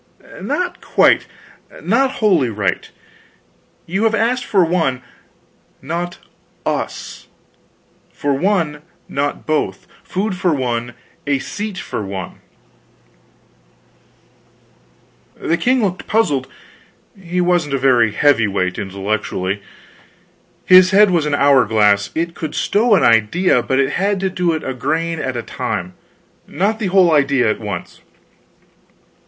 "Not quite, not wholly right. You have asked for one, not us for one, not both; food for one, a seat for one." The king looked puzzled he wasn't a very heavy weight, intellectually. His head was an hour glass; it could stow an idea, but it had to do it a grain at a time, not the whole idea at once.